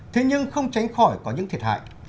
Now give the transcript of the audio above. thế nhưng không tránh khỏi có những thiệt hại